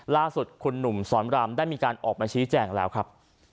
ล่าสุดคุณหนุ่มสอนรามได้มีการออกมาชี้แจงแล้วครับ